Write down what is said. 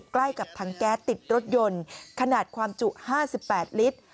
ใกล้กับถังแก๊สติดรถยนต์ขนาดความจุ๕๘ลิตร